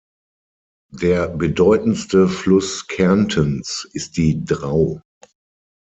Der bedeutendste Fluss Kärntens ist die Drau.